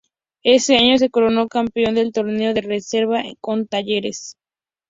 Ese año se coronó campeón del Torneo de Reserva con Talleres.